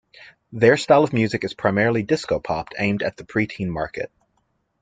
Their style of music is primarily disco-pop, aimed at the pre-teen market.